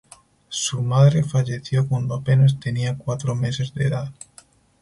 Su madre falleció cuando apenas tenía cuatro meses de edad.